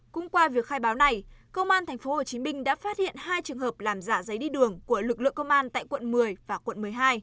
cũng qua việc khai báo này công an tp hcm đã phát hiện hai trường hợp làm giả giấy đi đường của lực lượng công an tại quận một mươi và quận một mươi hai